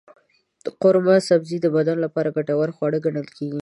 قورمه سبزي د بدن لپاره ګټور خواړه ګڼل کېږي.